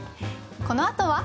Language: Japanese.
このあとは。